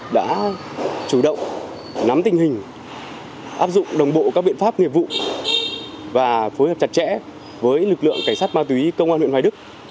đã chủ động nắm tình hình áp dụng đồng bộ các biện pháp nghiệp vụ và phối hợp chặt chẽ với lực lượng cảnh sát ma túy công an huyện hoài đức